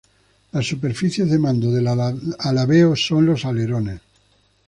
Las superficies de mando del alabeo son los alerones.